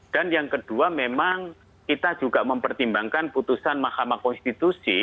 dan yang kedua memang kita juga mempertimbangkan putusan mahkamah konstitusi